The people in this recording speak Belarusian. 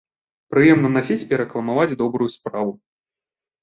Прыемна насіць і рэкламаваць добрую справу.